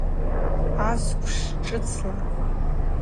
Асквш шӏыцла!